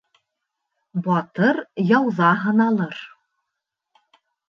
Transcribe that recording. Батыр яуҙа һыналыр.